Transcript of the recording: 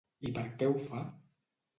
I per què ho fa?